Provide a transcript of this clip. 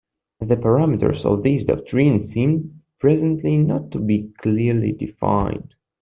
The parameters of this doctrine seem presently not to be clearly defined.